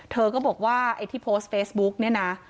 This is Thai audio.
เธอก็บอกว่าไอ้ที่โพสต์เฟซบุ๊กเนี่ยนะ